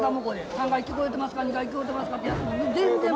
３階聞こえてますか２階聞こえてますかって。